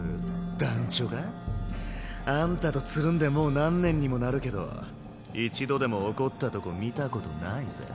団ちょが？あんたとつるんでもう何年にもなるけど一度でも怒ったとこ見たことないぜ？